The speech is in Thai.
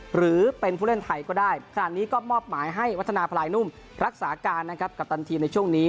หรือเป็นผู้เล่นไทยก็ได้ขนาดนี้ก็มอบหมายให้วัฒนาพลายนุ่มรักษาการนะครับกัปตันทีมในช่วงนี้